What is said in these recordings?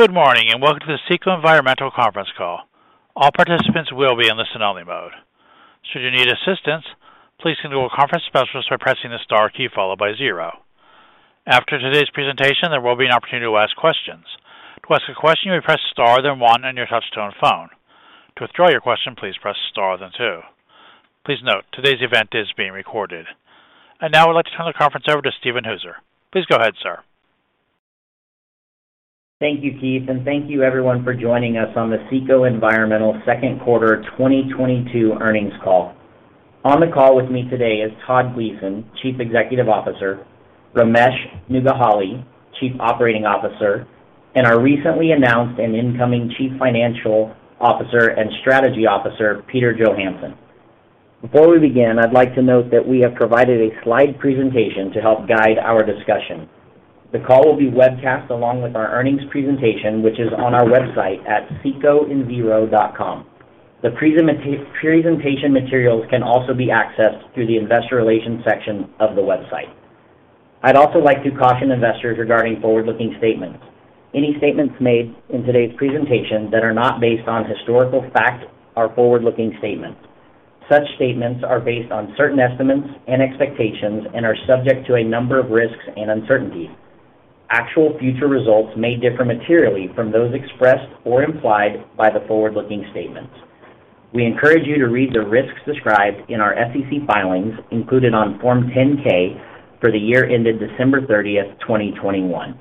Good morning, and welcome to the CECO Environmental conference call. All participants will be in listen-only mode. Should you need assistance, please signal a conference specialist by pressing the star key followed by zero. After today's presentation, there will be an opportunity to ask questions. To ask a question, you may press star, then one on your touchtone phone. To withdraw your question, please press star, then two. Please note today's event is being recorded. Now I'd like to turn the conference over to Steven Hooser. Please go ahead, sir. Thank you, Keith, and thank you everyone for joining us on the CECO Environmental second quarter 2022 earnings call. On the call with me today is Todd Gleason, Chief Executive Officer, Ramesh Nuggihalli, Chief Operating Officer, and our recently announced and incoming Chief Financial Officer and Strategy Officer, Peter Johansson. Before we begin, I'd like to note that we have provided a slide presentation to help guide our discussion. The call will be webcast along with our earnings presentation, which is on our website at cecoenviro.com. The presentation materials can also be accessed through the investor relations section of the website. I'd also like to caution investors regarding forward-looking statements. Any statements made in today's presentation that are not based on historical fact are forward-looking statements. Such statements are based on certain estimates and expectations and are subject to a number of risks and uncertainties. Actual future results may differ materially from those expressed or implied by the forward-looking statements. We encourage you to read the risks described in our SEC filings included on Form 10-K for the year ended December 30, 2021.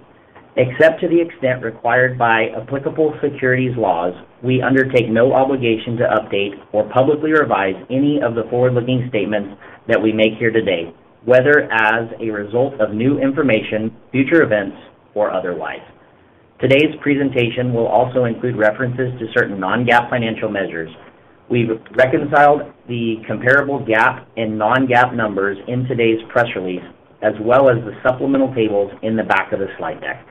Except to the extent required by applicable securities laws, we undertake no obligation to update or publicly revise any of the forward-looking statements that we make here today, whether as a result of new information, future events or otherwise. Today's presentation will also include references to certain non-GAAP financial measures. We've reconciled the comparable GAAP and non-GAAP numbers in today's press release, as well as the supplemental tables in the back of the slide deck.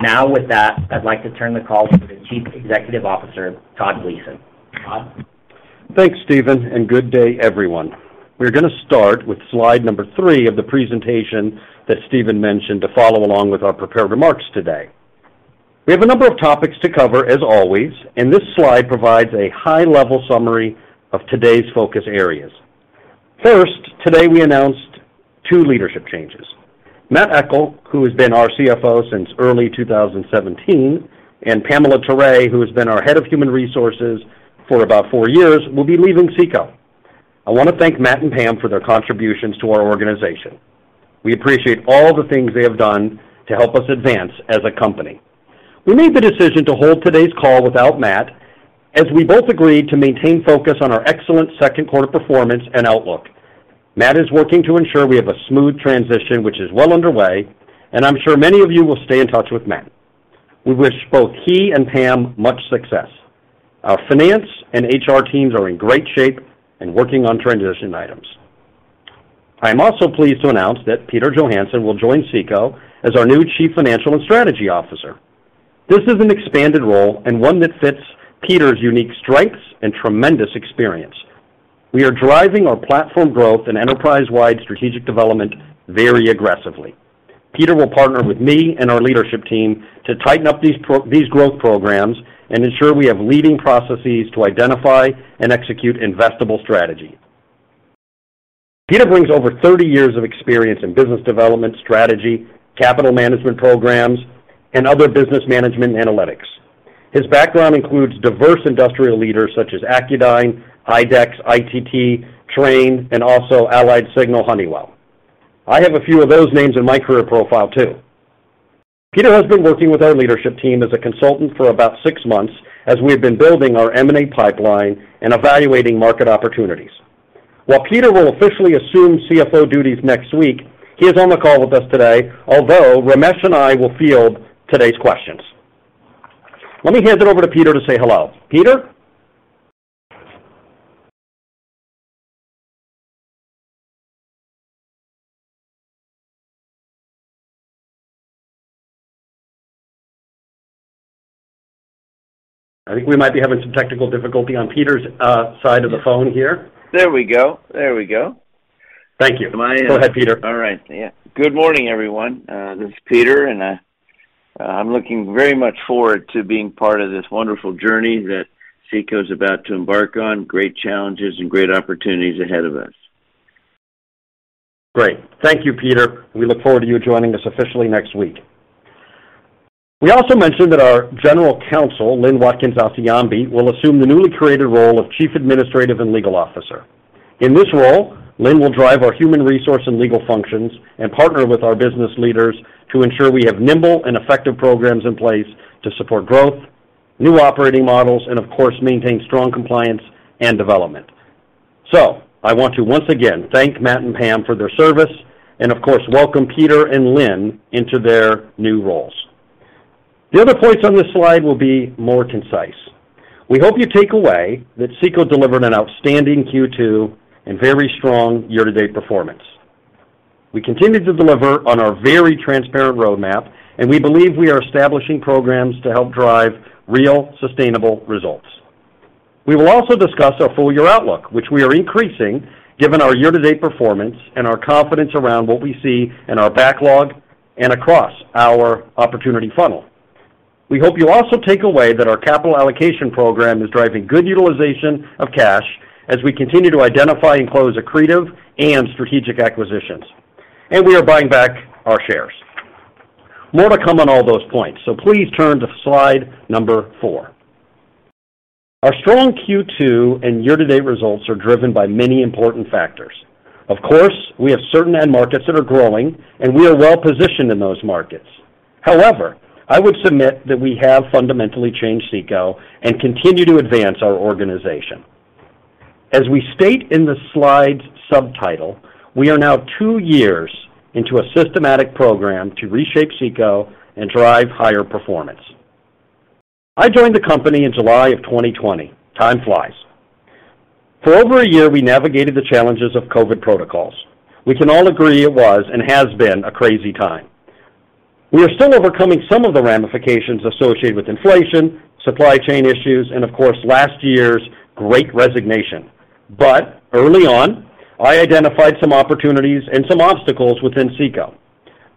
Now, with that, I'd like to turn the call to the Chief Executive Officer, Todd Gleason. Todd? Thanks, Steven, and good day, everyone. We're gonna start with slide number 3 of the presentation that Steven mentioned to follow along with our prepared remarks today. We have a number of topics to cover, as always, and this slide provides a high-level summary of today's focus areas. First, today we announced two leadership changes. Matt Eckl, who has been our CFO since early 2017, and Pamela Turay, who has been our head of human resources for about four years, will be leaving CECO. I wanna thank Matt and Pam for their contributions to our organization. We appreciate all the things they have done to help us advance as a company. We made the decision to hold today's call without Matt as we both agreed to maintain focus on our excellent second quarter performance and outlook. Matt is working to ensure we have a smooth transition, which is well underway, and I'm sure many of you will stay in touch with Matt. We wish both he and Pam much success. Our finance and HR teams are in great shape and working on transition items. I am also pleased to announce that Peter Johansson will join CECO as our new Chief Financial and Strategy Officer. This is an expanded role and one that fits Peter's unique strengths and tremendous experience. We are driving our platform growth and enterprise-wide strategic development very aggressively. Peter will partner with me and our leadership team to tighten up these growth programs and ensure we have leading processes to identify and execute investable strategy. Peter brings over 30 years of experience in business development strategy, capital management programs, and other business management analytics. His background includes diverse industrial leaders such as Accudyne, IDEX, ITT, Trane, and also AlliedSignal Honeywell. I have a few of those names in my career profile too. Peter has been working with our leadership team as a consultant for about six months as we have been building our M&A pipeline and evaluating market opportunities. While Peter will officially assume CFO duties next week, he is on the call with us today, although Ramesh and I will field today's questions. Let me hand it over to Peter to say hello. Peter? I think we might be having some technical difficulty on Peter's side of the phone here. There we go. Thank you. Go ahead, Peter. All right. Yeah. Good morning, everyone. This is Peter, and I'm looking very much forward to being part of this wonderful journey that CECO's about to embark on. Great challenges and great opportunities ahead of us. Great. Thank you, Peter. We look forward to you joining us officially next week. We also mentioned that our General Counsel, Lynn Watkins-Asiyanbi, will assume the newly created role of Chief Administrative and Legal Officer. In this role, Lynn will drive our human resource and legal functions and partner with our business leaders to ensure we have nimble and effective programs in place to support growth, new operating models, and of course, maintain strong compliance and development. I want to once again thank Matt and Pam for their service and of course, welcome Peter and Lynn into their new roles. The other points on this slide will be more concise. We hope you take away that CECO delivered an outstanding Q2 and very strong year-to-date performance. We continue to deliver on our very transparent roadmap, and we believe we are establishing programs to help drive real sustainable results. We will also discuss our full year outlook, which we are increasing given our year-to-date performance and our confidence around what we see in our backlog and across our opportunity funnel. We hope you also take away that our capital allocation program is driving good utilization of cash as we continue to identify and close accretive and strategic acquisitions. We are buying back our shares. More to come on all those points, so please turn to slide number four. Our strong Q2 and year-to-date results are driven by many important factors. Of course, we have certain end markets that are growing, and we are well-positioned in those markets. However, I would submit that we have fundamentally changed CECO and continue to advance our organization. As we state in the slide's subtitle, we are now 2 years into a systematic program to reshape CECO and drive higher performance. I joined the company in July of 2020. Time flies. For over a year, we navigated the challenges of COVID protocols. We can all agree it was and has been a crazy time. We are still overcoming some of the ramifications associated with inflation, supply chain issues, and of course last year's great resignation. But early on, I identified some opportunities and some obstacles within CECO.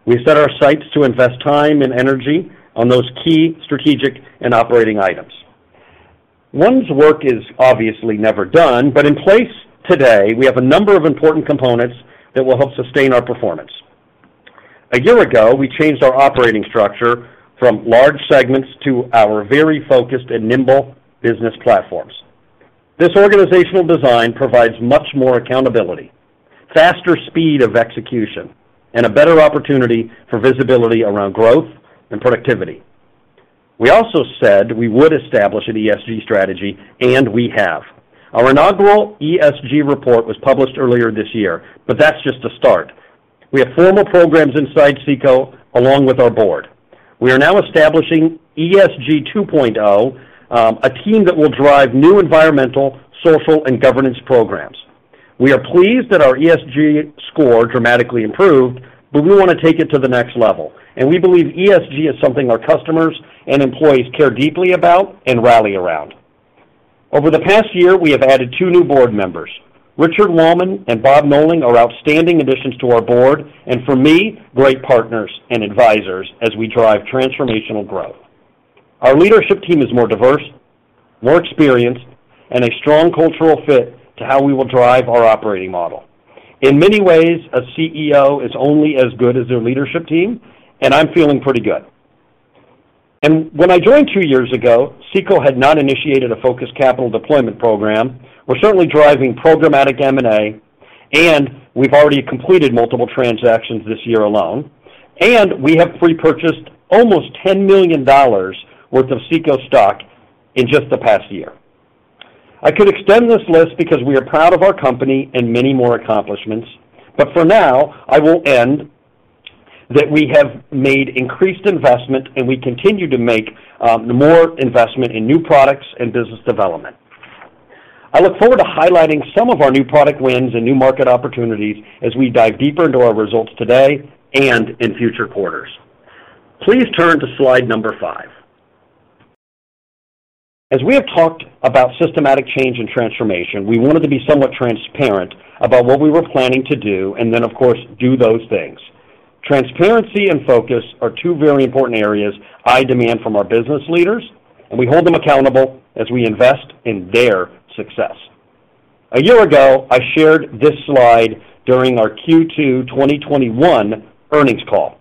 We set our sights to invest time and energy on those key strategic and operating items. One's work is obviously never done, but in place today, we have a number of important components that will help sustain our performance. A year ago, we changed our operating structure from large segments to our very focused and nimble business platforms. This organizational design provides much more accountability, faster speed of execution, and a better opportunity for visibility around growth and productivity. We also said we would establish an ESG strategy, and we have. Our inaugural ESG report was published earlier this year, but that's just a start. We have formal programs inside CECO along with our board. We are now establishing ESG 2.0, a team that will drive new environmental, social, and governance programs. We are pleased that our ESG score dramatically improved, but we wanna take it to the next level, and we believe ESG is something our customers and employees care deeply about and rally around. Over the past year, we have added two new board members. Richard Lauerman and Bob Knowling are outstanding additions to our board, and for me, great partners and advisors as we drive transformational growth. Our leadership team is more diverse, more experienced, and a strong cultural fit to how we will drive our operating model. In many ways, a CEO is only as good as their leadership team, and I'm feeling pretty good. When I joined two years ago, CECO had not initiated a focused capital deployment program. We're certainly driving programmatic M&A, and we've already completed multiple transactions this year alone. We have repurchased almost $10 million worth of CECO stock in just the past year. I could extend this list because we are proud of our company and many more accomplishments, but for now, I will end that we have made increased investment, and we continue to make more investment in new products and business development. I look forward to highlighting some of our new product wins and new market opportunities as we dive deeper into our results today and in future quarters. Please turn to slide number 5. As we have talked about systematic change and transformation, we wanted to be somewhat transparent about what we were planning to do and then, of course, do those things. Transparency and focus are two very important areas I demand from our business leaders, and we hold them accountable as we invest in their success. A year ago, I shared this slide during our Q2 2021 earnings call.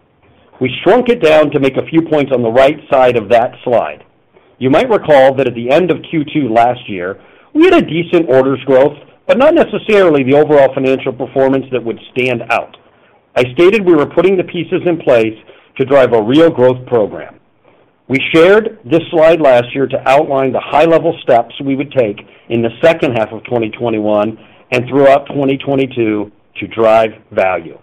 We shrunk it down to make a few points on the right side of that slide. You might recall that at the end of Q2 last year, we had a decent orders growth but not necessarily the overall financial performance that would stand out. I stated we were putting the pieces in place to drive a real growth program. We shared this slide last year to outline the high-level steps we would take in the second half of 2021 and throughout 2022 to drive value.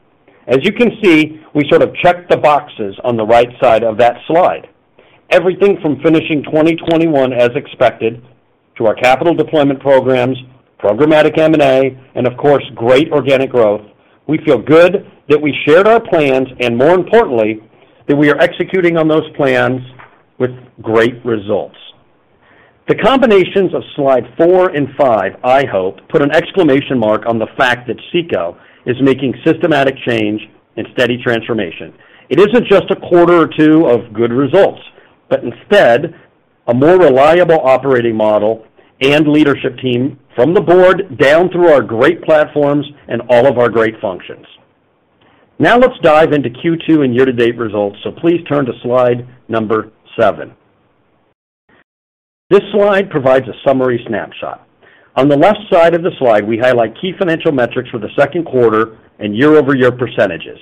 As you can see, we sort of checked the boxes on the right side of that slide. Everything from finishing 2021 as expected to our capital deployment programs, programmatic M&A, and of course, great organic growth. We feel good that we shared our plans and, more importantly, that we are executing on those plans with great results. The combinations of slide 4 and 5, I hope, put an exclamation mark on the fact that CECO is making systematic change and steady transformation. It isn't just a quarter or two of good results, but instead, a more reliable operating model and leadership team from the board down through our great platforms and all of our great functions. Now let's dive into Q2 and year-to-date results, so please turn to slide number 7. This slide provides a summary snapshot. On the left side of the slide, we highlight key financial metrics for the second quarter and year-over-year percentages.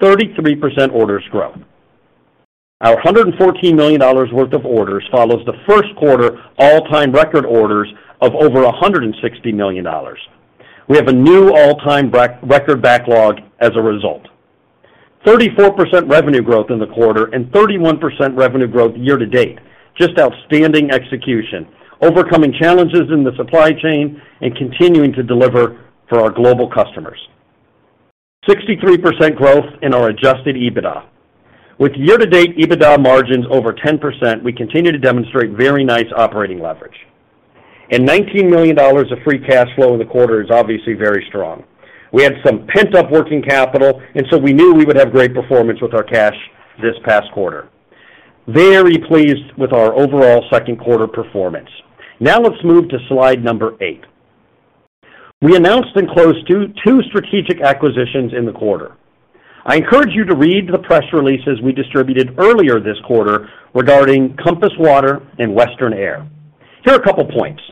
33% orders growth. Our $114 million worth of orders follows the first quarter all-time record orders of over $160 million. We have a new all-time record backlog as a result. 34% revenue growth in the quarter and 31% revenue growth year to date. Just outstanding execution, overcoming challenges in the supply chain and continuing to deliver for our global customers. 63% growth in our adjusted EBITDA. With year-to-date EBITDA margins over 10%, we continue to demonstrate very nice operating leverage. Nineteen million dollars of free cash flow in the quarter is obviously very strong. We had some pent-up working capital, and so we knew we would have great performance with our cash this past quarter. Very pleased with our overall second quarter performance. Now let's move to slide number 8. We announced and closed two strategic acquisitions in the quarter. I encourage you to read the press releases we distributed earlier this quarter regarding Compass Water Solutions and Western Air. Here are a couple points.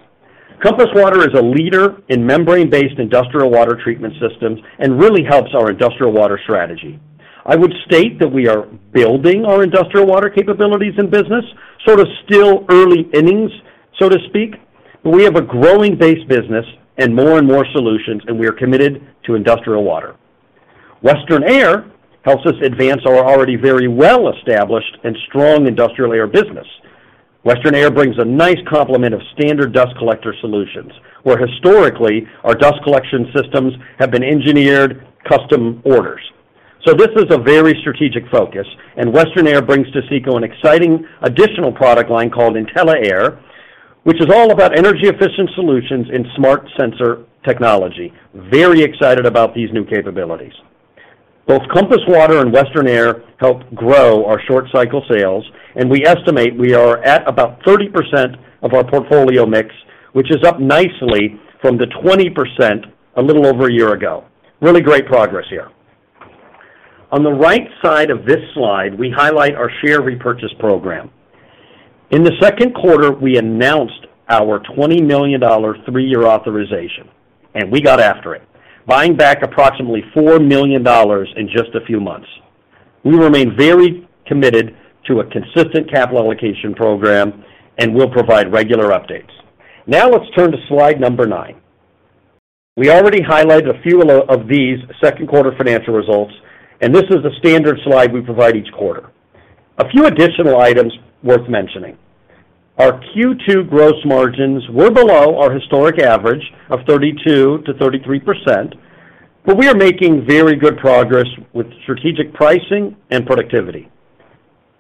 Compass Water Solutions is a leader in membrane-based industrial water treatment systems and really helps our industrial water strategy. I would state that we are building our industrial water capabilities in business, sort of still early innings, so to speak, but we have a growing base business and more and more solutions, and we are committed to industrial water. Western Air Ducts helps us advance our already very well-established and strong industrial air business. Western Air brings a nice complement of standard dust collector solutions, where historically our dust collection systems have been engineered custom orders. This is a very strategic focus, and Western Air brings to CECO an exciting additional product line called Inteliair, which is all about energy-efficient solutions in smart sensor technology. Very excited about these new capabilities. Both Compass Water and Western Air help grow our short cycle sales, and we estimate we are at about 30% of our portfolio mix, which is up nicely from the 20% a little over a year ago. Really great progress here. On the right side of this slide, we highlight our share repurchase program. In the second quarter, we announced our $20 million three-year authorization, and we got after it, buying back approximately $4 million in just a few months. We remain very committed to a consistent capital allocation program and will provide regular updates. Now let's turn to slide 9. We already highlighted a few of these second quarter financial results, and this is a standard slide we provide each quarter. A few additional items worth mentioning. Our Q2 gross margins were below our historic average of 32%-33%, but we are making very good progress with strategic pricing and productivity.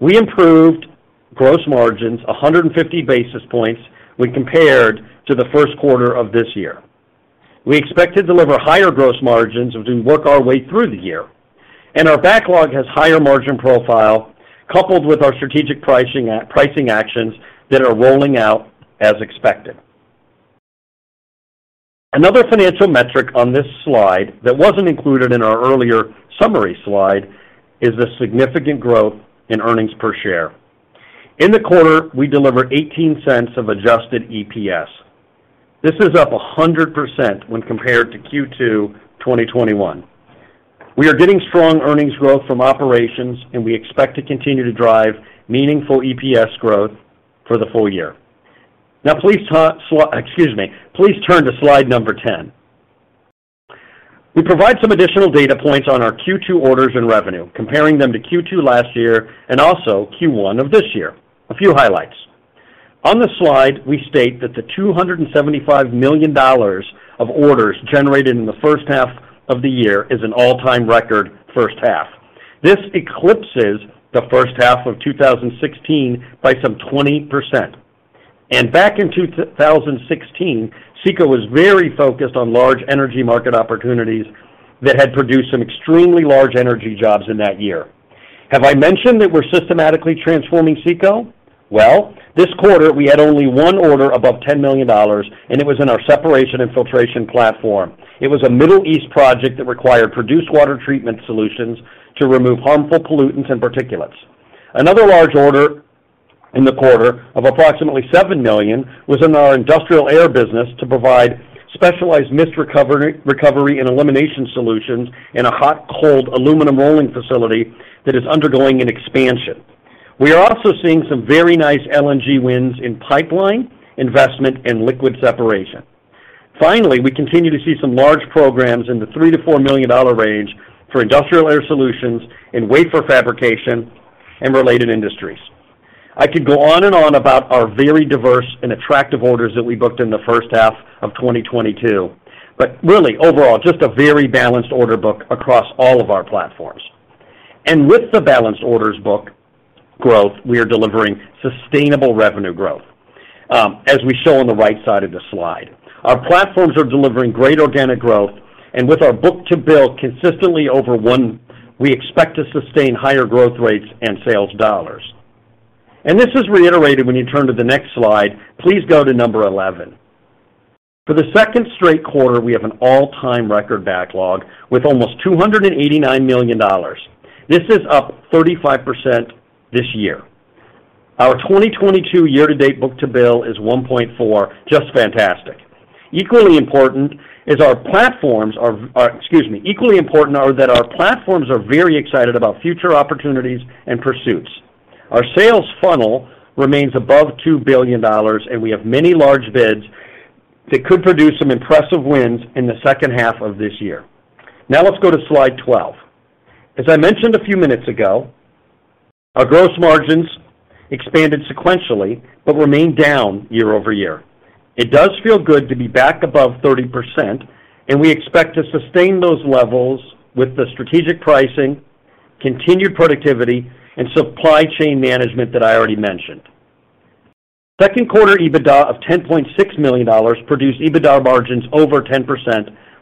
We improved gross margins 150 basis points when compared to the first quarter of this year. We expect to deliver higher gross margins as we work our way through the year, and our backlog has higher margin profile coupled with our strategic pricing pricing actions that are rolling out as expected. Another financial metric on this slide that wasn't included in our earlier summary slide is the significant growth in earnings per share. In the quarter, we delivered $0.18 of Adjusted EPS. This is up 100% when compared to Q2 2021. We are getting strong earnings growth from operations, and we expect to continue to drive meaningful EPS growth for the full year. Now please excuse me. Please turn to slide number 10. We provide some additional data points on our Q2 orders and revenue, comparing them to Q2 last year and also Q1 of this year. A few highlights. On this slide, we state that the $275 million of orders generated in the first half of the year is an all-time record first half. This eclipses the first half of 2016 by some 20%. Back in 2016, CECO was very focused on large energy market opportunities that had produced some extremely large energy jobs in that year. Have I mentioned that we're systematically transforming CECO? Well, this quarter, we had only one order above $10 million, and it was in our separation and filtration platform. It was a Middle East project that required produced water treatment solutions to remove harmful pollutants and particulates. Another large order in the quarter of approximately $7 million was in our industrial air business to provide specialized mist recovery and elimination solutions in a hot/cold aluminum rolling facility that is undergoing an expansion. We are also seeing some very nice LNG wins in pipeline investment and liquid separation. Finally, we continue to see some large programs in the $3-$4 million range for industrial air solutions in wafer fabrication and related industries. I could go on and on about our very diverse and attractive orders that we booked in the first half of 2022, but really overall, just a very balanced order book across all of our platforms. With the balanced orders book growth, we are delivering sustainable revenue growth, as we show on the right side of this slide. Our platforms are delivering great organic growth, and with our book-to-bill consistently over 1, we expect to sustain higher growth rates and sales dollars. This is reiterated when you turn to the next slide. Please go to number 11. For the second straight quarter, we have an all-time record backlog with almost $289 million. This is up 35% this year. Our 2022 year-to-date book-to-bill is 1.4, just fantastic. Equally important is that our platforms are very excited about future opportunities and pursuits. Our sales funnel remains above $2 billion, and we have many large bids that could produce some impressive wins in the second half of this year. Now let's go to slide 12. As I mentioned a few minutes ago. Our gross margins expanded sequentially but remained down year-over-year. It does feel good to be back above 30%, and we expect to sustain those levels with the strategic pricing, continued productivity, and supply chain management that I already mentioned. Second quarter EBITDA of $10.6 million produced EBITDA margins over 10%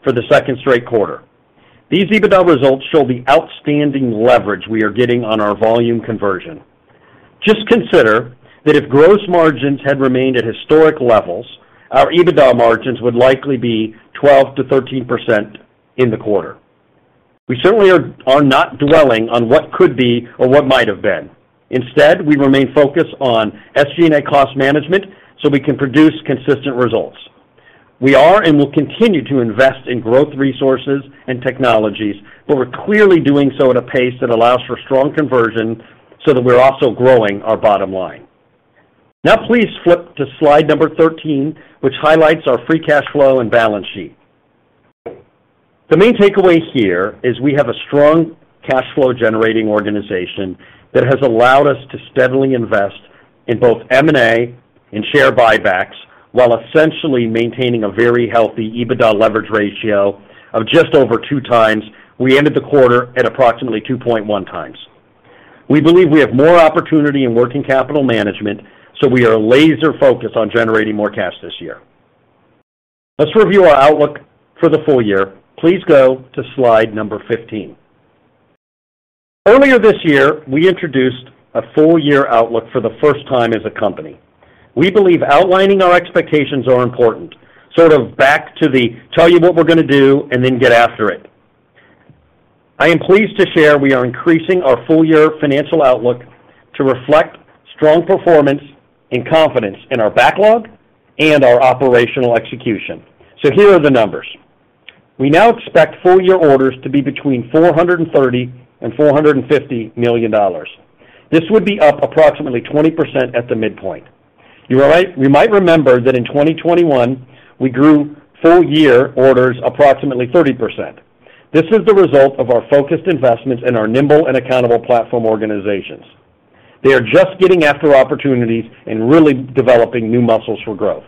for the second straight quarter. These EBITDA results show the outstanding leverage we are getting on our volume conversion. Just consider that if gross margins had remained at historic levels, our EBITDA margins would likely be 12%-13% in the quarter. We certainly are not dwelling on what could be or what might have been. Instead, we remain focused on SG&A cost management so we can produce consistent results. We are and will continue to invest in growth resources and technologies, but we're clearly doing so at a pace that allows for strong conversion so that we're also growing our bottom line. Now please flip to slide number 13, which highlights our free cash flow and balance sheet. The main takeaway here is we have a strong cash flow-generating organization that has allowed us to steadily invest in both M&A and share buybacks while essentially maintaining a very healthy EBITDA leverage ratio of just over 2 times. We ended the quarter at approximately 2.1 times. We believe we have more opportunity in working capital management, so we are laser-focused on generating more cash this year. Let's review our outlook for the full year. Please go to slide number 15. Earlier this year, we introduced a full-year outlook for the first time as a company. We believe outlining our expectations are important, sort of back to tell you what we're gonna do and then get after it. I am pleased to share we are increasing our full-year financial outlook to reflect strong performance and confidence in our backlog and our operational execution. Here are the numbers. We now expect full-year orders to be between $430 million and $450 million. This would be up approximately 20% at the midpoint. You might remember that in 2021, we grew full-year orders approximately 30%. This is the result of our focused investments in our nimble and accountable platform organizations. They are just getting after opportunities and really developing new muscles for growth.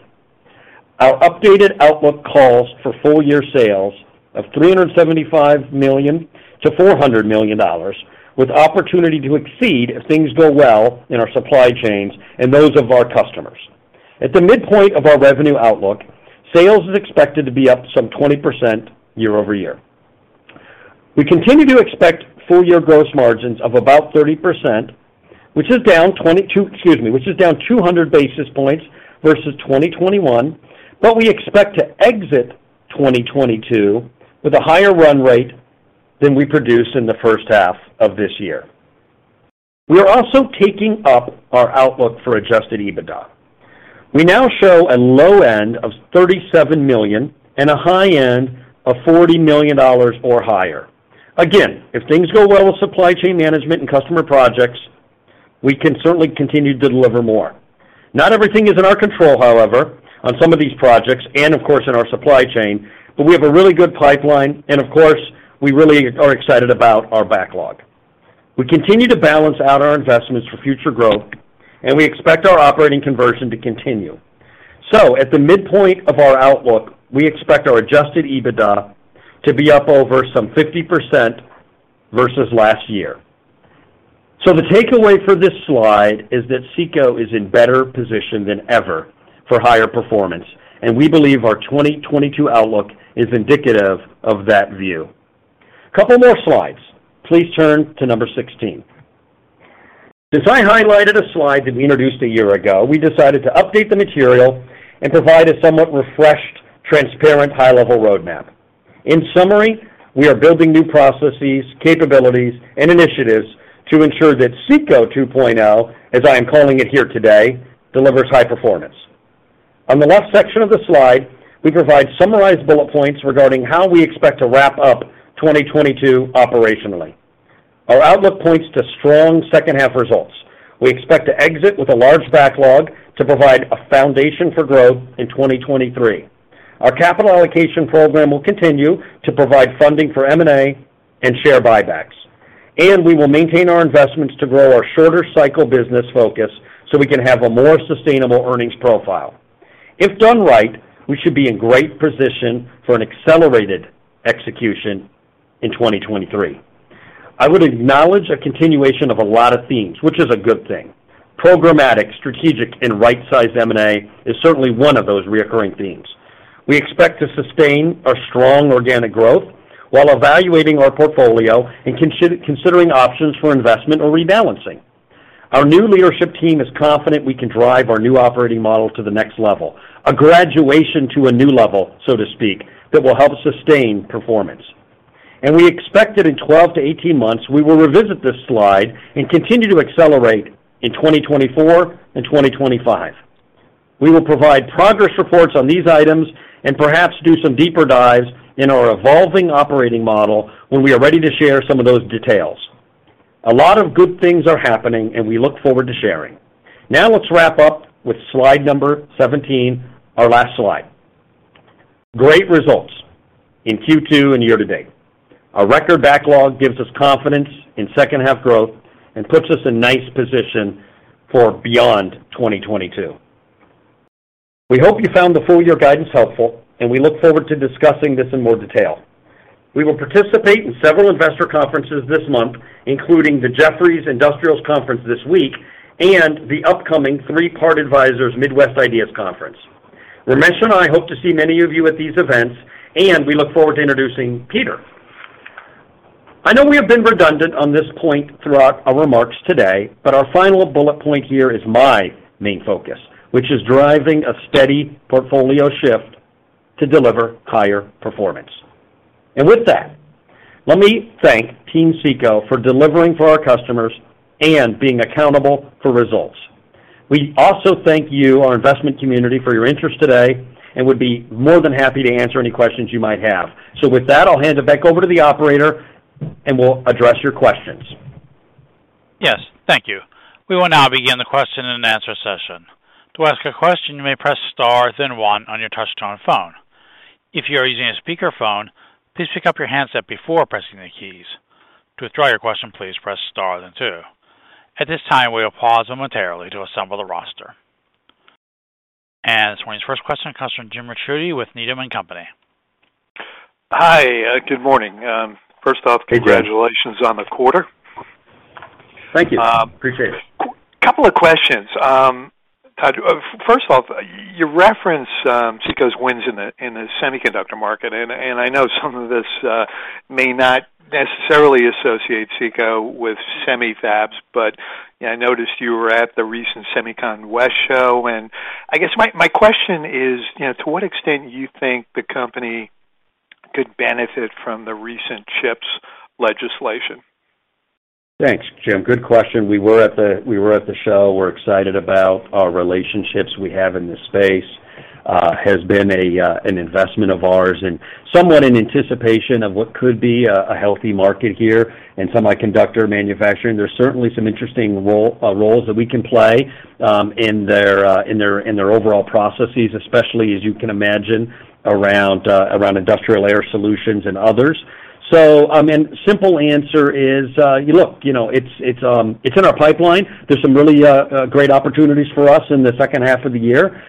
Our updated outlook calls for full-year sales of $375 million-$400 million, with opportunity to exceed if things go well in our supply chains and those of our customers. At the midpoint of our revenue outlook, sales is expected to be up some 20% year-over-year. We continue to expect full-year gross margins of about 30%, which is down 200 basis points versus 2021, but we expect to exit 2022 with a higher run rate than we produced in the first half of this year. We are also taking up our outlook for Adjusted EBITDA. We now show a low end of $37 million and a high end of $40 million or higher. Again, if things go well with supply chain management and customer projects, we can certainly continue to deliver more. Not everything is in our control, however, on some of these projects and, of course, in our supply chain, but we have a really good pipeline and, of course, we really are excited about our backlog. We continue to balance out our investments for future growth, and we expect our operating conversion to continue. At the midpoint of our outlook, we expect our Adjusted EBITDA to be up over some 50% versus last year. The takeaway for this slide is that CECO is in better position than ever for higher performance, and we believe our 2022 outlook is indicative of that view. Couple more slides. Please turn to number 16. As I highlighted a slide that we introduced a year ago, we decided to update the material and provide a somewhat refreshed, transparent, high-level roadmap. In summary, we are building new processes, capabilities, and initiatives to ensure that CECO 2.0, as I am calling it here today, delivers high performance. On the left section of the slide, we provide summarized bullet points regarding how we expect to wrap up 2022 operationally. Our outlook points to strong second half results. We expect to exit with a large backlog to provide a foundation for growth in 2023. Our capital allocation program will continue to provide funding for M&A and share buybacks. We will maintain our investments to grow our shorter cycle business focus so we can have a more sustainable earnings profile. If done right, we should be in great position for an accelerated execution in 2023. I would acknowledge a continuation of a lot of themes, which is a good thing. Programmatic, strategic, and right-sized M&A is certainly one of those recurring themes. We expect to sustain our strong organic growth while evaluating our portfolio and considering options for investment or rebalancing. Our new leadership team is confident we can drive our new operating model to the next level, a graduation to a new level, so to speak, that will help sustain performance. We expect that in 12-18 months, we will revisit this slide and continue to accelerate in 2024 and 2025. We will provide progress reports on these items and perhaps do some deeper dives in our evolving operating model when we are ready to share some of those details. A lot of good things are happening, and we look forward to sharing. Now let's wrap up with slide number 17, our last slide. Great results in Q2 and year to date. Our record backlog gives us confidence in second half growth and puts us in nice position for beyond 2022. We hope you found the full year guidance helpful, and we look forward to discussing this in more detail. We will participate in several investor conferences this month, including the Jefferies Industrials Conference this week and the upcoming Three Part Advisors Midwest IDEAS Conference. Ramesh and I hope to see many of you at these events, and we look forward to introducing Peter. I know we have been redundant on this point throughout our remarks today, but our final bullet point here is my main focus, which is driving a steady portfolio shift to deliver higher performance. With that, let me thank Team CECO for delivering for our customers and being accountable for results. We also thank you, our investment community, for your interest today and would be more than happy to answer any questions you might have. With that, I'll hand it back over to the operator, and we'll address your questions. Yes. Thank you. We will now begin the question-and-answer session. To ask a question, you may press star then one on your touchtone phone. If you are using a speakerphone, please pick up your handset before pressing the keys. To withdraw your question, please press star then two. At this time, we will pause momentarily to assemble the roster. This morning's first question comes from Jim Ricchiuti with Needham & Company. Hi. Good morning. First off. Hey, Jim. Congratulations on the quarter. Thank you. Appreciate it. A couple of questions. First of all, you reference CECO's wins in the semiconductor market, and I know some of this may not necessarily associate CECO with semi-fabs, but I noticed you were at the recent SEMICON West show. I guess my question is, you know, to what extent do you think the company could benefit from the recent chips legislation? Thanks, Jim. Good question. We were at the show. We're excited about our relationships we have in this space, has been an investment of ours and somewhat in anticipation of what could be a healthy market here in semiconductor manufacturing. There's certainly some interesting roles that we can play in their overall processes, especially as you can imagine, around industrial air solutions and others. I mean, simple answer is, look, you know, it's in our pipeline. There's some really great opportunities for us in the second half of the year.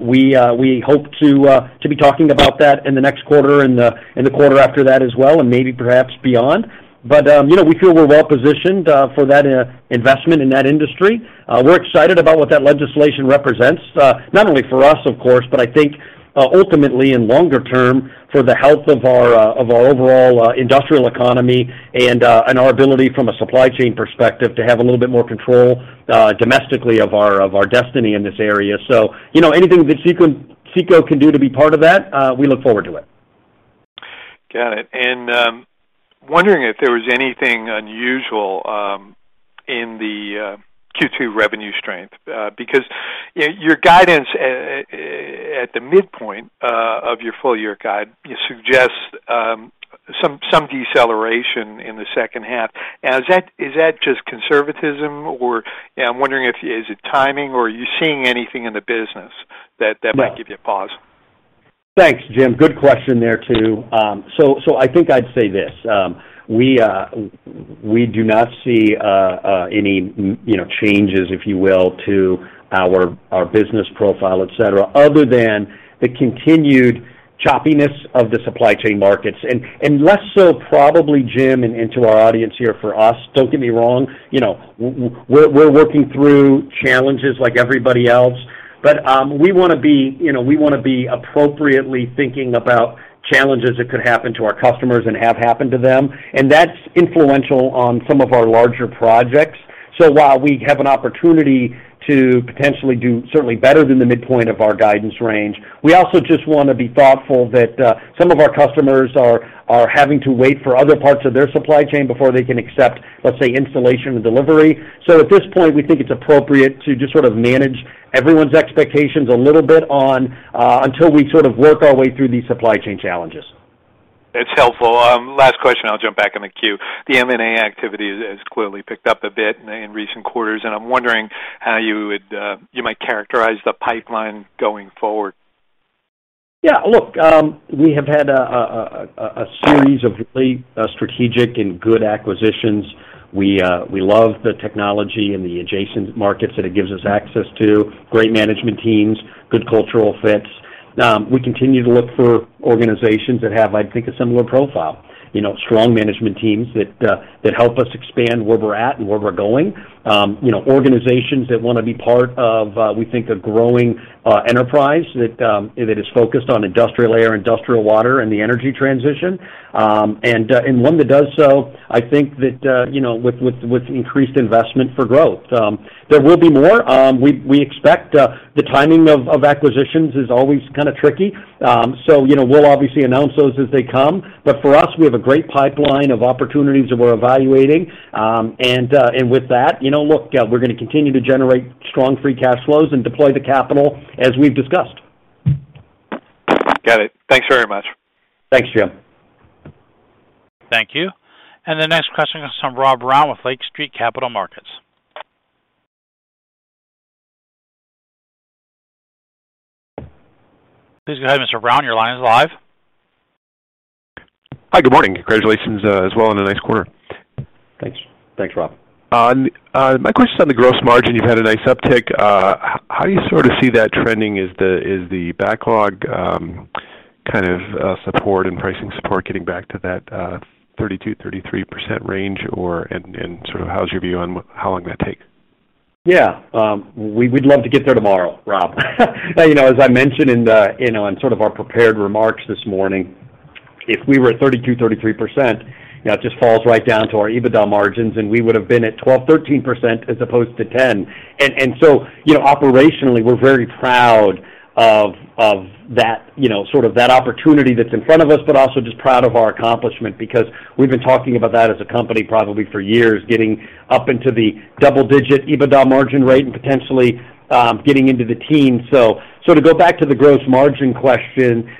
We hope to be talking about that in the next quarter and the quarter after that as well, and maybe perhaps beyond. You know, we feel we're well-positioned for that investment in that industry. We're excited about what that legislation represents, not only for us, of course, but I think, ultimately in longer term for the health of our overall industrial economy and our ability from a supply chain perspective to have a little bit more control, domestically of our destiny in this area. You know, anything that CECO can do to be part of that, we look forward to it. Got it. Wondering if there was anything unusual in the Q2 revenue strength because your guidance at the midpoint of your full year guide you suggest some deceleration in the second half. Now, is that just conservatism or, you know, I'm wondering if is it timing or are you seeing anything in the business that? No. that might give you pause? Thanks, Jim. Good question there too. I think I'd say this. We do not see any, you know, changes, if you will, to our business profile, et cetera, other than the continued choppiness of the supply chain markets. Less so probably, Jim, and to our audience here, for us, don't get me wrong, you know, we're working through challenges like everybody else, but we wanna be, you know, we wanna be appropriately thinking about challenges that could happen to our customers and have happened to them, and that's influential on some of our larger projects. While we have an opportunity to potentially do certainly better than the midpoint of our guidance range, we also just wanna be thoughtful that some of our customers are having to wait for other parts of their supply chain before they can accept, let's say, installation and delivery. At this point, we think it's appropriate to just sort of manage everyone's expectations a little bit on until we sort of work our way through these supply chain challenges. That's helpful. Last question, I'll jump back in the queue. The M&A activity has clearly picked up a bit in recent quarters, and I'm wondering how you might characterize the pipeline going forward. Yeah. Look, we have had a series of really strategic and good acquisitions. We love the technology and the adjacent markets that it gives us access to. Great management teams, good cultural fits. We continue to look for organizations that have, I think, a similar profile. You know, strong management teams that help us expand where we're at and where we're going. You know, organizations that wanna be part of, we think, a growing enterprise that is focused on industrial air, industrial water, and the energy transition. One that does so, I think, you know, with increased investment for growth. There will be more. We expect the timing of acquisitions is always kinda tricky. you know, we'll obviously announce those as they come. For us, we have a great pipeline of opportunities that we're evaluating. With that, you know, look, we're gonna continue to generate strong free cash flows and deploy the capital as we've discussed. Got it. Thanks very much. Thanks, Jim. Thank you. The next question is from Rob Brown with Lake Street Capital Markets. Please go ahead, Mr. Brown. Your line is live. Hi, good morning. Congratulations as well on a nice quarter. Thanks. Thanks, Rob. My question is on the gross margin. You've had a nice uptick. How do you sort of see that trending? Is the backlog support and pricing support getting back to that 32%-33% range, or sort of how's your view on how long that takes? Yeah. We'd love to get there tomorrow, Rob. You know, as I mentioned, you know, in sort of our prepared remarks this morning, if we were at 32%-33%, you know, it just falls right down to our EBITDA margins, and we would have been at 12%-13% as opposed to 10%. You know, operationally, we're very proud of that, you know, sort of that opportunity that's in front of us, but also just proud of our accomplishment because we've been talking about that as a company probably for years, getting up into the double-digit EBITDA margin rate and potentially getting into the teens. To go back to the gross margin question,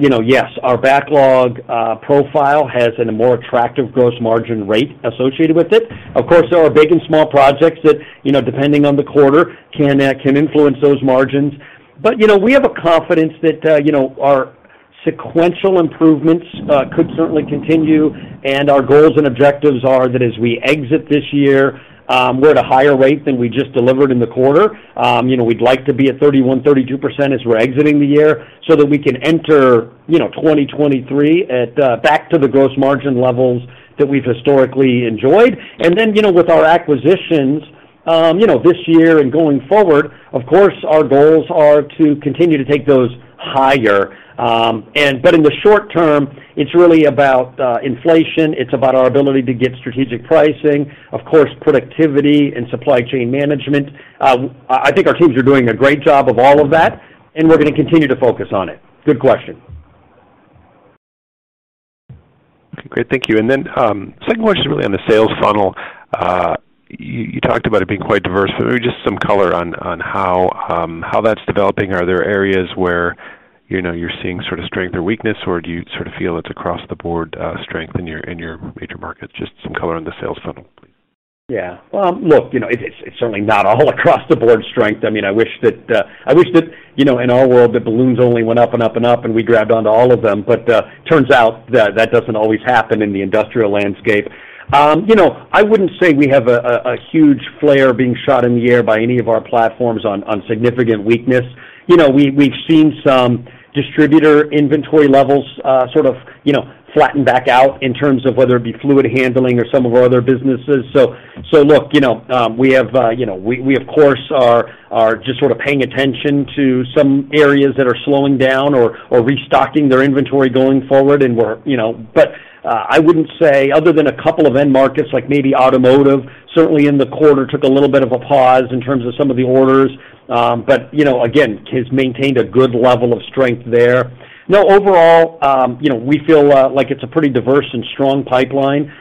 you know, yes, our backlog profile has a more attractive gross margin rate associated with it. Of course, there are big and small projects that, you know, depending on the quarter, can influence those margins. We have a confidence that, you know, our sequential improvements could certainly continue, and our goals and objectives are that as we exit this year, we're at a higher rate than we just delivered in the quarter. You know, we'd like to be at 31%-32% as we're exiting the year so that we can enter, you know, 2023 at back to the gross margin levels that we've historically enjoyed. You know, with our acquisitions, you know, this year and going forward, of course, our goals are to continue to take those higher. In the short term, it's really about inflation, it's about our ability to get strategic pricing, of course, productivity and supply chain management. I think our teams are doing a great job of all of that, and we're gonna continue to focus on it. Good question. Okay. Great. Thank you. Second question really on the sales funnel. You talked about it being quite diverse, but maybe just some color on how that's developing. Are there areas where, you know, you're seeing sort of strength or weakness, or do you sort of feel it's across the board, strength in your major markets? Just some color on the sales funnel. Yeah. Well, look, you know, it's certainly not all across the board strength. I mean, I wish that, you know, in our world, the balloons only went up and up and up, and we grabbed on to all of them. Turns out that that doesn't always happen in the industrial landscape. You know, I wouldn't say we have a huge flare being shot in the air by any of our platforms on significant weakness. You know, we've seen some distributor inventory levels, sort of, you know, flatten back out in terms of whether it be fluid handling or some of our other businesses. Look, you know, we have, you know, we of course are just sort of paying attention to some areas that are slowing down or restocking their inventory going forward. I wouldn't say, other than a couple of end markets, like maybe automotive, certainly in the quarter, took a little bit of a pause in terms of some of the orders. You know, again, has maintained a good level of strength there. No, overall, you know, we feel like it's a pretty diverse and strong pipeline.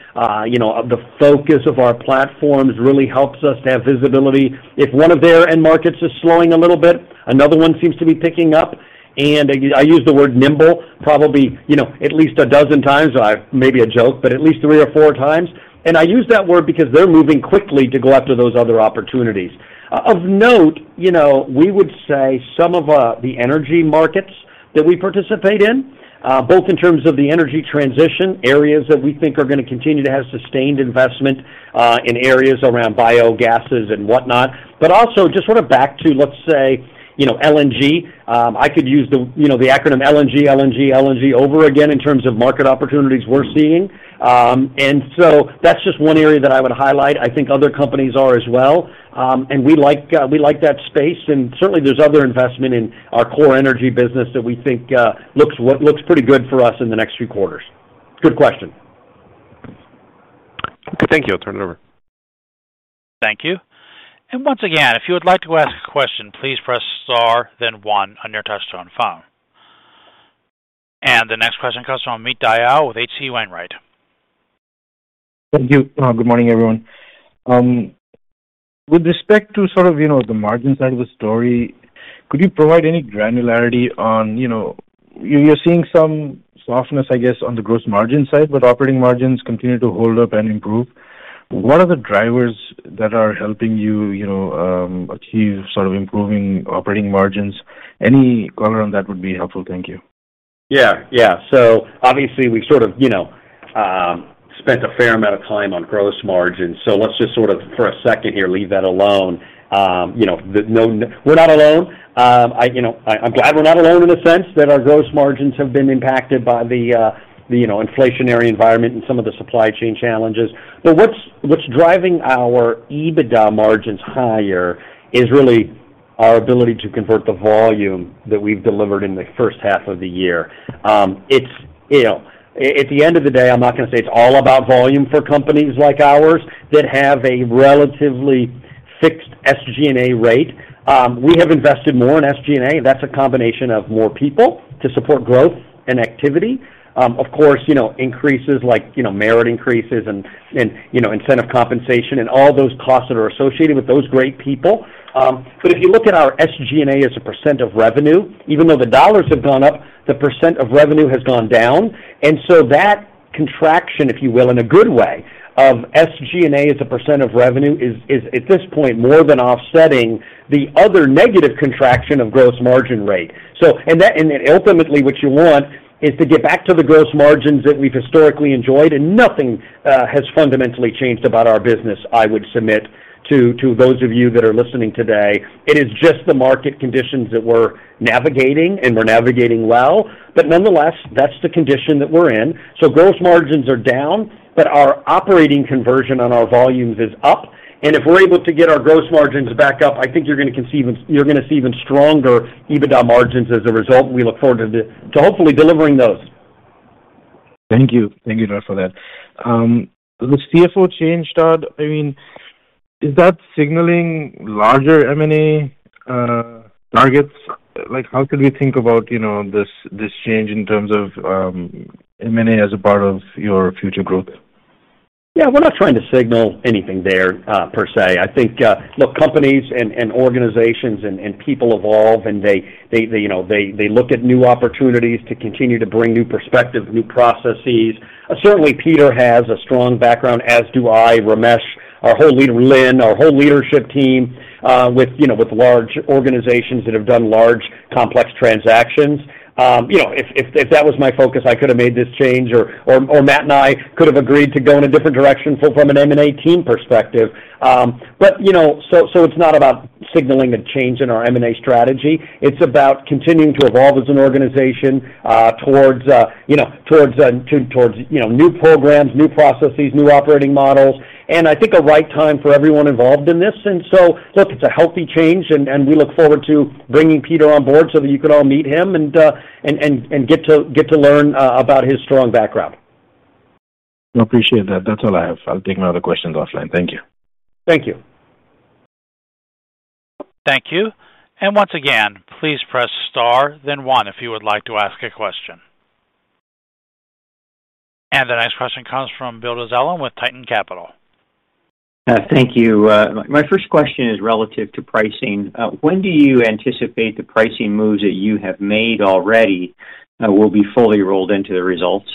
You know, the focus of our platforms really helps us to have visibility. If one of their end markets is slowing a little bit, another one seems to be picking up. I use the word nimble probably, you know, at least a dozen times. Maybe a joke, but at least three or four times. I use that word because they're moving quickly to go after those other opportunities. Of note, you know, we would say some of the energy markets that we participate in, both in terms of the energy transition, areas that we think are gonna continue to have sustained investment, in areas around biogases and whatnot, but also just sort of back to, let's say, you know, LNG. I could use the, you know, the acronym LNG over again in terms of market opportunities we're seeing. That's just one area that I would highlight. I think other companies are as well. We like that space. Certainly there's other investment in our core energy business that we think looks pretty good for us in the next few quarters. Good question. Okay, thank you. I'll turn it over. Thank you. Once again, if you would like to ask a question, please press Star, then one on your touchtone phone. The next question comes from Amit Dayal with H.C. Wainwright. Thank you. Good morning, everyone. With respect to sort of, you know, the margin side of the story, could you provide any granularity on, you know, you're seeing some softness, I guess, on the gross margin side, but operating margins continue to hold up and improve. What are the drivers that are helping you know, achieve sort of improving operating margins? Any color on that would be helpful. Thank you. Yeah. Yeah. Obviously, we sort of, you know, spent a fair amount of time on gross margin. Let's just sort of, for a second here, leave that alone. You know, no, we're not alone. I, you know, I'm glad we're not alone in the sense that our gross margins have been impacted by the you know inflationary environment and some of the supply chain challenges. But what's driving our EBITDA margins higher is really our ability to convert the volume that we've delivered in the first half of the year. It's, you know, at the end of the day, I'm not gonna say it's all about volume for companies like ours that have a relatively fixed SG&A rate. We have invested more in SG&A. That's a combination of more people to support growth and activity. Of course, you know, increases like, you know, merit increases and, you know, incentive compensation and all those costs that are associated with those great people. If you look at our SG&A as a percent of revenue, even though the dollars have gone up, the percent of revenue has gone down. That contraction, if you will, in a good way, of SG&A as a percent of revenue is at this point more than offsetting the other negative contraction of gross margin rate. Ultimately, what you want is to get back to the gross margins that we've historically enjoyed, and nothing has fundamentally changed about our business, I would submit. To those of you that are listening today, it is just the market conditions that we're navigating, and we're navigating well. Nonetheless, that's the condition that we're in. Gross margins are down, but our operating conversion on our volumes is up. If we're able to get our gross margins back up, I think you're gonna see even stronger EBITDA margins as a result. We look forward to hopefully delivering those. Thank you. Thank you, Todd, for that. The CFO change, Todd, I mean, is that signaling larger M&A targets? Like, how could we think about, you know, this change in terms of M&A as a part of your future growth? Yeah, we're not trying to signal anything there, per se. I think, look, companies and organizations and people evolve, and they you know they look at new opportunities to continue to bring new perspective, new processes. Certainly, Peter has a strong background, as do I, Ramesh, our whole leader, Lynn, our whole leadership team, with, you know, with large organizations that have done large, complex transactions. You know, if that was my focus, I could have made this change or Matt and I could have agreed to go in a different direction from an M&A team perspective. You know, so it's not about signaling a change in our M&A strategy. It's about continuing to evolve as an organization, towards you know new programs, new processes, new operating models, and I think a right time for everyone involved in this. Look, it's a healthy change, and we look forward to bringing Peter on board so that you can all meet him and get to learn about his strong background. I appreciate that. That's all I have. I'll take my other questions offline. Thank you. Thank you. Thank you. Once again, please press Star then one if you would like to ask a question. The next question comes from William Dezellem with Titan Capital. Thank you. My first question is relative to pricing. When do you anticipate the pricing moves that you have made already will be fully rolled into the results?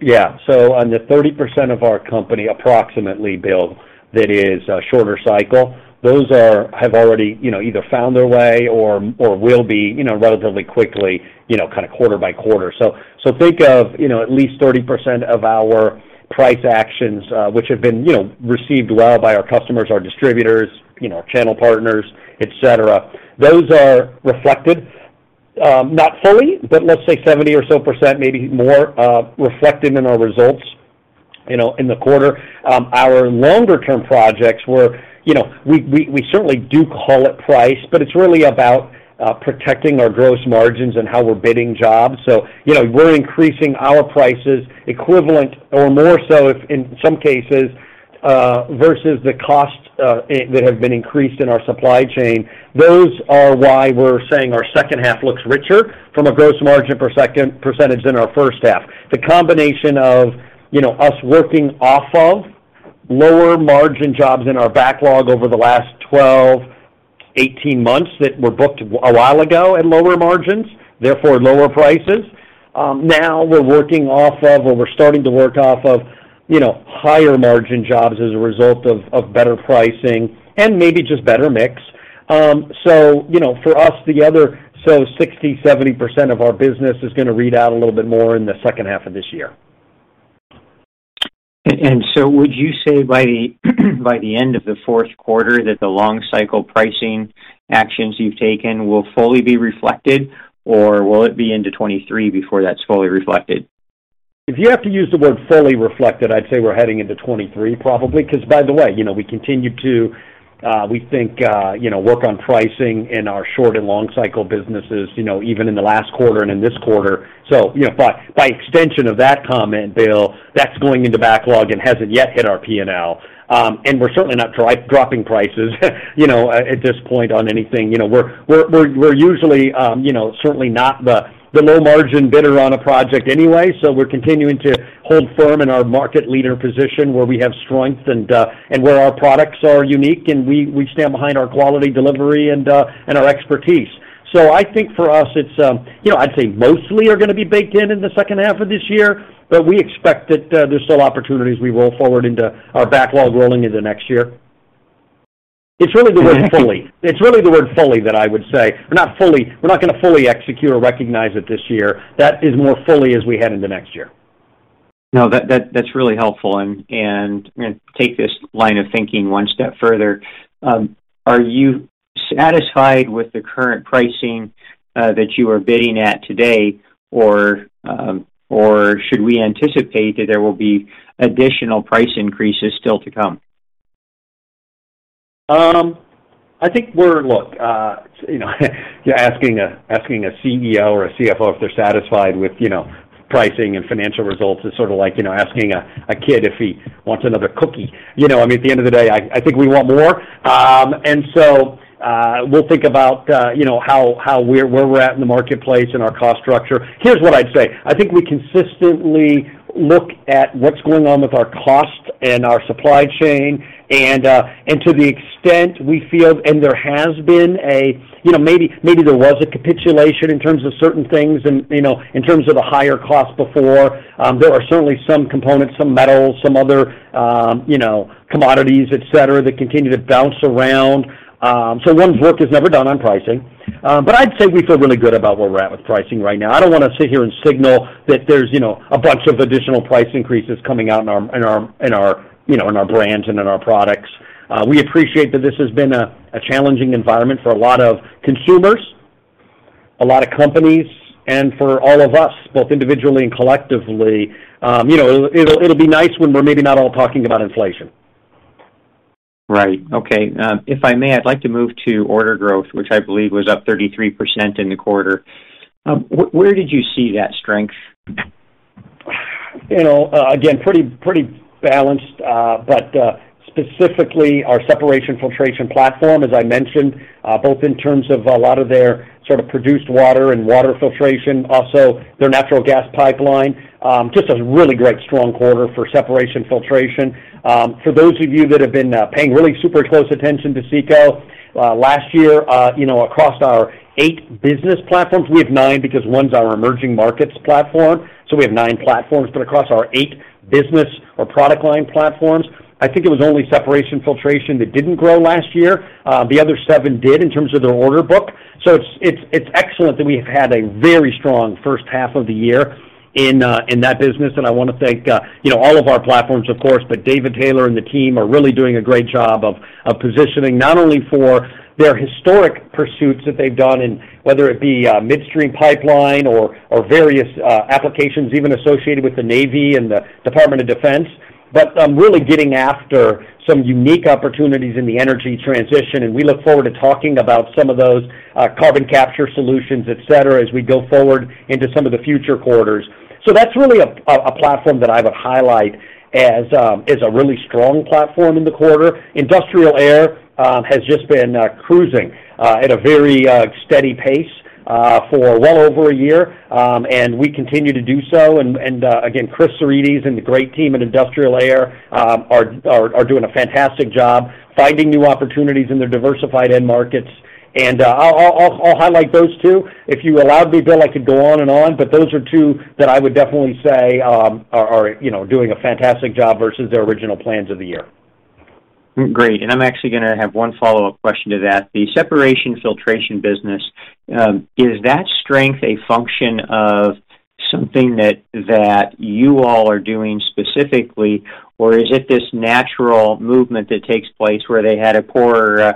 On the 30% of our company, approximately, Bill, that is a shorter cycle, those have already, you know, either found their way or will be, you know, relatively quickly, you know, kind of quarter by quarter. Think of, you know, at least 30% of our price actions, which have been, you know, received well by our customers, our distributors, you know, channel partners, et cetera. Those are reflected, not fully, but let's say 70% or so, maybe more, reflected in our results, you know, in the quarter. Our longer-term projects, you know, we certainly do call it price, but it's really about protecting our gross margins and how we're bidding jobs. You know, we're increasing our prices equivalent or more so, in some cases, versus the cost that have been increased in our supply chain. That's why we're saying our second half looks richer from a gross margin percentage in our first half. The combination of, you know, us working off of lower margin jobs in our backlog over the last 12, 18 months that were booked a while ago at lower margins, therefore lower prices. Now we're working off of or we're starting to work off of, you know, higher margin jobs as a result of better pricing and maybe just better mix. You know, for us, the other, so 60%-70% of our business is gonna read out a little bit more in the second half of this year. Would you say by the end of the fourth quarter that the long cycle pricing actions you've taken will fully be reflected, or will it be into 2023 before that's fully reflected? If you have to use the word fully reflected, I'd say we're heading into 2023 probably, 'cause by the way, you know, we continue to, we think, you know, work on pricing in our short and long cycle businesses, you know, even in the last quarter and in this quarter. You know, by extension of that comment, Bill, that's going into backlog and hasn't yet hit our P&L. We're certainly not dropping prices, you know, at this point on anything. You know, we're usually, you know, certainly not the low margin bidder on a project anyway. We're continuing to hold firm in our market leader position where we have strength and where our products are unique, and we stand behind our quality delivery and our expertise. I think for us it's, I'd say mostly are gonna be baked in in the second half of this year, but we expect that there's still opportunities we roll forward into our backlog rolling into next year. It's really the word fully that I would say. We're not gonna fully execute or recognize it this year. That is more fully as we head into next year. No, that's really helpful. Take this line of thinking one step further. Are you satisfied with the current pricing that you are bidding at today, or should we anticipate that there will be additional price increases still to come? Look, you know, you're asking a CEO or a CFO if they're satisfied with, you know, pricing and financial results is sort of like, you know, asking a kid if he wants another cookie. You know, I mean, at the end of the day, I think we want more. We'll think about, you know, where we're at in the marketplace and our cost structure. Here's what I'd say. I think we consistently look at what's going on with our cost and our supply chain, and to the extent we feel, and there has been a, you know, maybe there was a capitulation in terms of certain things and, you know, in terms of the higher cost before, there are certainly some components, some metals, some other, you know, commodities, et cetera, that continue to bounce around. So one's work is never done on pricing. But I'd say we feel really good about where we're at with pricing right now. I don't wanna sit here and signal that there's, you know, a bunch of additional price increases coming out in our, you know, in our brands and in our products. We appreciate that this has been a challenging environment for a lot of consumers, a lot of companies and for all of us, both individually and collectively, you know, it'll be nice when we're maybe not all talking about inflation. Right. Okay. If I may, I'd like to move to order growth, which I believe was up 33% in the quarter. Where did you see that strength? You know, again, pretty balanced, but specifically our separation filtration platform, as I mentioned, both in terms of a lot of their sort of produced water and water filtration, also their natural gas pipeline. Just a really great strong quarter for separation filtration. For those of you that have been paying really super close attention to CECO, last year, you know, across our eight business platforms, we have nine because one's our emerging markets platform, so we have nine platforms. Across our eight business or product line platforms, I think it was only separation filtration that didn't grow last year. The other seven did in terms of their order book. It's excellent that we have had a very strong first half of the year in that business. I wanna thank, you know, all of our platforms, of course, but David Taylor and the team are really doing a great job of positioning not only for their historic pursuits that they've done in whether it be midstream pipeline or various applications even associated with the Navy and the Department of Defense. Really getting after some unique opportunities in the energy transition, and we look forward to talking about some of those carbon capture solutions, et cetera, as we go forward into some of the future quarters. That's really a platform that I would highlight as a really strong platform in the quarter. Industrial Air has just been cruising at a very steady pace for well over a year, and we continue to do so. Again, Chris Tsourides and the great team at Industrial Air are doing a fantastic job finding new opportunities in their diversified end markets. I'll highlight those two. If you allowed me, Bill, I could go on and on, but those are two that I would definitely say are, you know, doing a fantastic job versus their original plans of the year. Great. I'm actually gonna have one follow-up question to that. The separation filtration business, is that strength a function of something that you all are doing specifically, or is it this natural movement that takes place where they had poor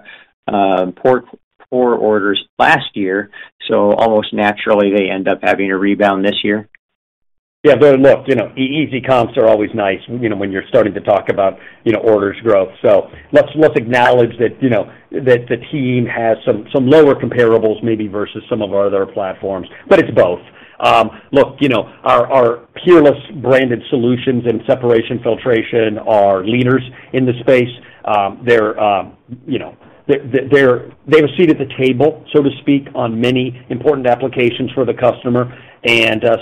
orders last year, so almost naturally they end up having a rebound this year? Yeah, Bill, look, you know, easy comps are always nice, you know, when you're starting to talk about, you know, orders growth. So, let's acknowledge that, you know, that the team has some lower comparables maybe versus some of our other platforms, but it's both. Look, you know, our Peerless branded solutions and separation filtration are leaders in the space. They're, you know, they have a seat at the table, so to speak, on many important applications for the customer.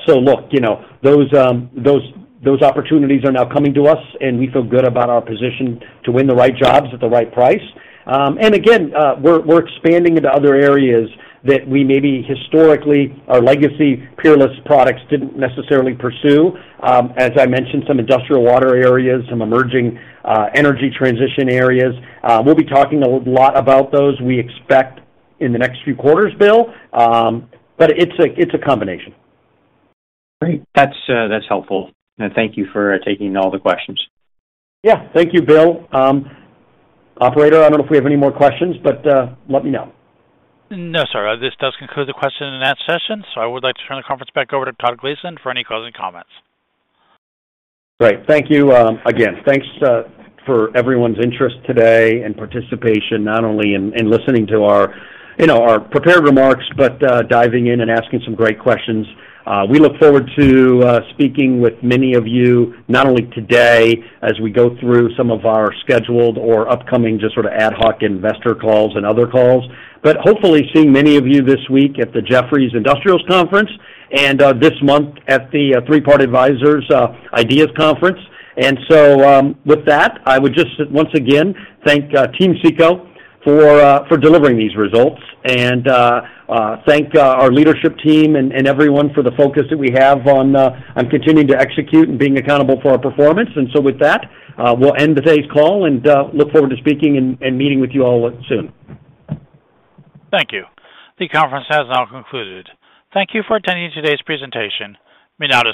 So look, you know, those opportunities are now coming to us and we feel good about our position to win the right jobs at the right price. Again, we're expanding into other areas that we maybe historically our legacy Peerless products didn't necessarily pursue. As I mentioned, some industrial water areas, some emerging energy transition areas. We'll be talking a lot about those, we expect, in the next few quarters, Bill. It's a combination. Great. That's helpful. Thank you for taking all the questions. Yeah. Thank you, Bill. Operator, I don't know if we have any more questions but let me know. No, sir. This does conclude the question in that session, so I would like to turn the conference back over to Todd Gleason for any closing comments. Great. Thank you. Again, thanks for everyone's interest today and participation, not only in listening to our, you know, our prepared remarks, but diving in and asking some great questions. We look forward to speaking with many of you, not only today as we go through some of our scheduled or upcoming just sort of ad hoc investor calls and other calls but hopefully seeing many of you this week at the Jefferies Industrials Conference and this month at the Three Part Advisors IDEAS Conference. With that, I would just once again thank team CECO for delivering these results and thank our leadership team and everyone for the focus that we have on continuing to execute and being accountable for our performance. With that, we'll end today's call and look forward to speaking and meeting with you all soon. Thank you. The conference has now concluded. Thank you for attending today's presentation. You may now disconnect.